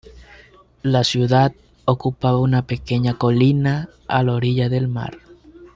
La ciudad ocupaba una pequeña colina a la orilla del mar.